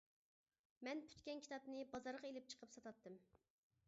مەن پۈتكەن كىتابنى بازارغا ئېلىپ چىقىپ ساتاتتىم.